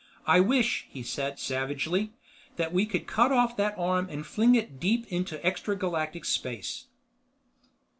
I wish," he said savagely, "that we could cut off that arm and fling it deep into extragalactic space."